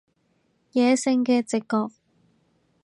野性嘅直覺